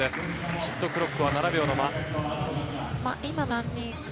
ショットクロックは７秒のまま。